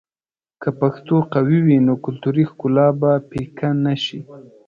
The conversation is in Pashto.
که پښتو قوي وي، نو کلتوري ښکلا به پیکه نه شي.